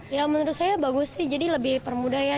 ya menurut saya bagus sih jadi lebih permudah ya